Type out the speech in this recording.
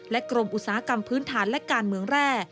กรมอุตสาหกรรมพื้นฐานและการเมืองแร่